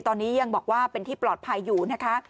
ตอนนี้ยังบอกว่าเป็นที่ปลอดภัยอยู่นะคะ